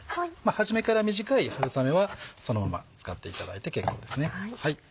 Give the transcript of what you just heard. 始めから短い春雨はそのまま使っていただいて結構ですね。